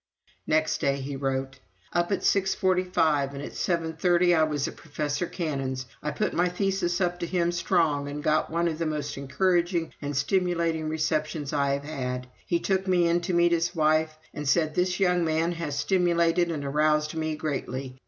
Next day he wrote: "Up at six forty five, and at seven thirty I was at Professor Cannon's. I put my thesis up to him strong and got one of the most encouraging and stimulating receptions I have had. He took me in to meet his wife, and said: 'This young man has stimulated and aroused me greatly.